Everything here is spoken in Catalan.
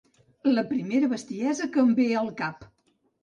La primera bestiesa que em ve al cap.